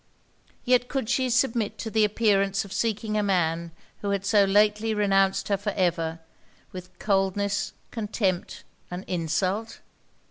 Yet could she submit to the appearance of seeking a man who had so lately renounced her for ever, with coldness, contempt, and insult?